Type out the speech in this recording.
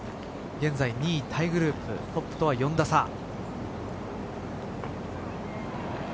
現在２位タイグループトップとは４打差。